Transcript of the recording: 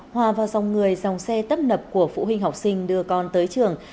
hòa vào dòng người dòng xe tấp nập của phụ huynh học sinh đưa con tới trường